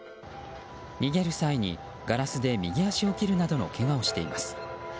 逃げる際にガラスで右足を切るなどのけがをしています。